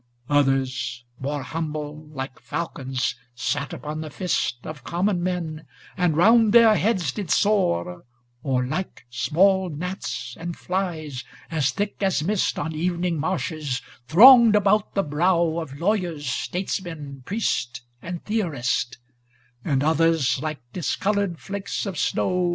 Others more Humble, like falcons, sate upon the fist Of common men, and round their heads did soar; ' Or like small gnats and flies, as thick as mist On evening marshes, thronged about the brow 509 Of lawyers, statesmen, priest and theorist; * And others, like discolored flakes of snow.